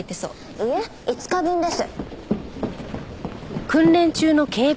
いえ５日分です。